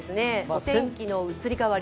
お天気の移り変わり。